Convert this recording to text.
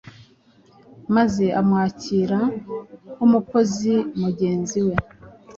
maze amwakira nk’umukozi mugenzi we.